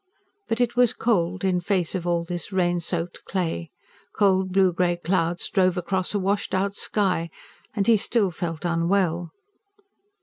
But it was cold, in face of all this rain soaked clay; cold blue grey clouds drove across a washed out sky; and he still felt unwell.